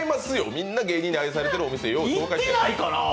みんな芸人に愛されてるお店紹介してるから。